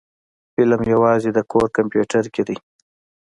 فلم يوازې د کور کمپيوټر کې دی.